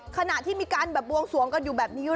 ขณะที่มีการแบบบวงสวงกันอยู่แบบนี้